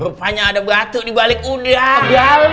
apanya ada batu dibalik udang